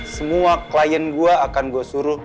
semua klien gue akan bawa lo ke pengadilan